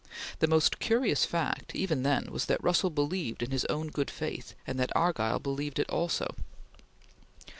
The most curious fact, even then, was that Russell believed in his own good faith and that Argyll believed in it also.